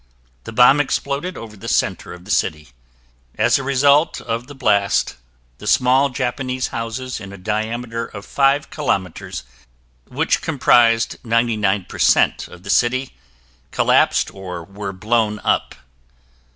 The bomb exploded over the center of the city. As a result of the blast, the small Japanese houses in a diameter of five kilometers, which compressed 99% of the city, collapsed or were blown up.